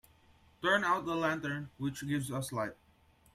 Turn out the lantern which gives us light.